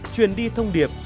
chuyên đi thông điệp